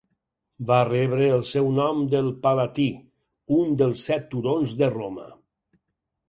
Va rebre el seu nom del Palatí, un dels set turons de Roma.